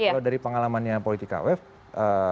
kalau dari pengalamannya politika wave